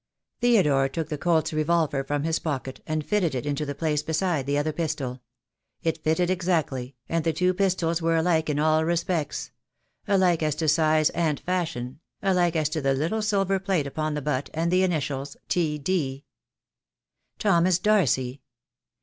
Theodore took the Colt's revolver from his pocket and fitted it into the place beside the other pistol. It fitted exactly, and the two pistols were alike in all respects — alike as to size and fashion, alike as to the little silver plate upon the butt, and the initials, "T D." Thomas Darcy!